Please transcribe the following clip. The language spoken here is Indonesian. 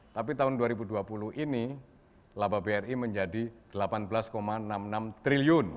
tapi tahun dua ribu dua puluh ini laba bri menjadi rp delapan belas enam puluh enam triliun